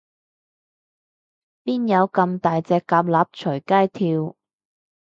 邊有噉大隻蛤乸隨街跳